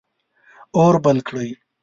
اور بل کړئ